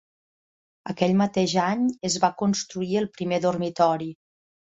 Aquell mateix any es va construir el primer dormitori.